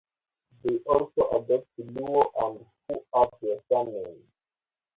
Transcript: They also adopt Luo and Fu as their surname.